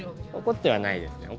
怒ってはないですね。